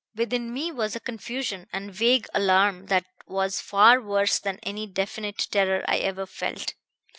Within me was a confusion and vague alarm that was far worse than any definite terror I ever felt.